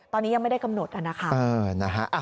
ตอนนี้ยังไม่ได้กำหนดนะคะ